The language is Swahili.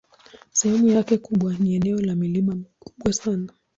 Sehemu yake kubwa ni eneo la milima mikubwa sana.